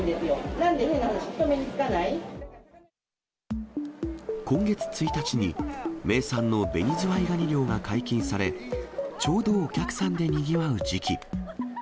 なんで、変な話、人目に今月１日に、名産のベニズワイガニ漁が解禁され、ちょうどお客さんでにぎわう時期。